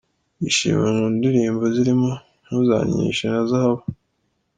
Yishimiwe mu ndirimbo zirimo "Ntuzankinishe" na "Zahabu".